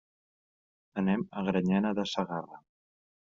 Anem a Granyena de Segarra.